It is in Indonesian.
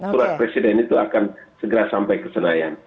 surat presiden itu akan segera sampai ke senayan